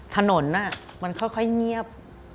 ถนนมันค่อยเงียบ